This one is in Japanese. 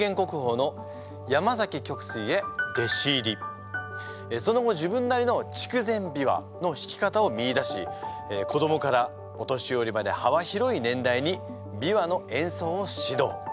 １９７３年その後自分なりの筑前琵琶の弾き方を見いだし子どもからお年寄りまで幅広い年代に琵琶の演奏を指導。